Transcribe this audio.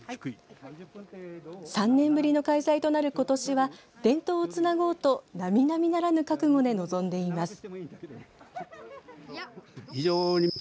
３年ぶりの開催となる今年は伝統をつなごうと並々ならぬ覚悟で臨んでいます。